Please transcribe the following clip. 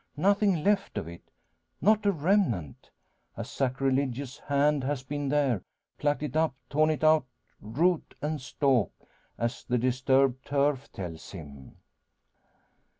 Nothing left of it not a remnant! A sacrilegious hand has been there, plucked it up, torn it out root and stalk, as the disturbed turf tells him!